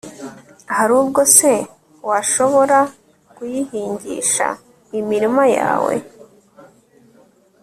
hari ubwo se washobora kuyihingisha imirima yawe